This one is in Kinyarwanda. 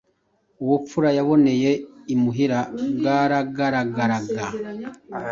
Ubupfura yaboneye imuhira bwaragaragaraga.